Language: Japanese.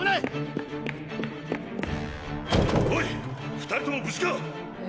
２人とも無事か⁉え？